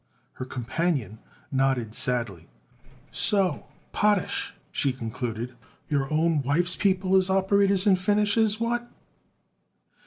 Her companion nodded sadly. "So, Potash," she concluded, "your own wife's people is operators and finishers; what?"